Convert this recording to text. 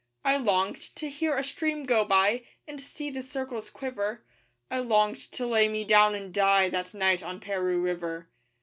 I longed to hear a stream go by And see the circles quiver; I longed to lay me down and die That night on Paroo River.